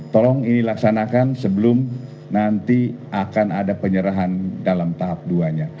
tolong ini laksanakan sebelum nanti akan ada penyerahan dalam tahap dua nya